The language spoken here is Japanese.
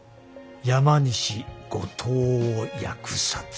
山西後藤を扼殺。